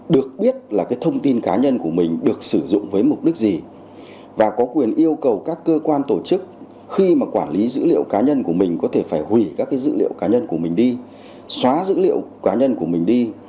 được biết là thông tin cá nhân của mình được sử dụng với mục đích gì và có quyền yêu cầu các cơ quan tổ chức khi mà quản lý dữ liệu cá nhân của mình có thể phải hủy các dữ liệu cá nhân của mình đi xóa dữ liệu cá nhân của mình đi